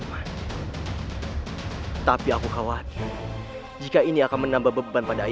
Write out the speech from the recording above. kanda tidak ada yang bisa mengobatinmu